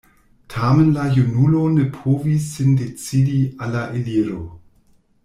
Tamen la junulo ne povis sin decidi al la eliro.